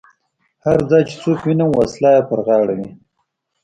هر ځای چې څوک وینم وسله یې پر غاړه وي.